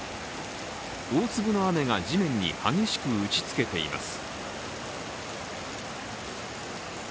大粒の雨が地面に激しく打ちつけています。